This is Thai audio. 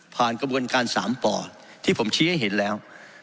กระบวนการ๓ป่อที่ผมชี้ให้เห็นแล้ว